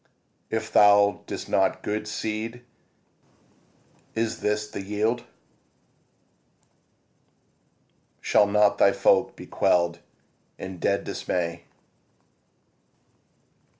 If thou didst sow good seed, is this the yield? Shall not thy folk be quell'd in dead dismay?